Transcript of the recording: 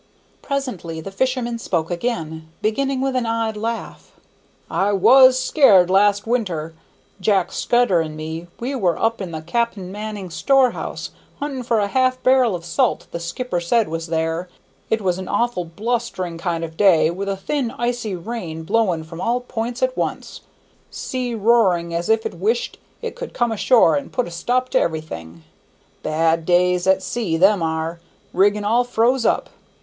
Presently the fisherman spoke again, beginning with an odd laugh: "I was scared last winter! Jack Scudder and me, we were up in the Cap'n Manning storehouse hunting for a half bar'l of salt the skipper said was there. It was an awful blustering kind of day, with a thin icy rain blowing from all points at once; sea roaring as if it wished it could come ashore and put a stop to everything. Bad days at sea, them are; rigging all froze up.